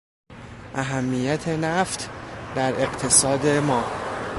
اهمیت نفت در اقتصاد ما